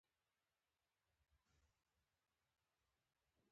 ژاوله د ستوني وچوالی کموي.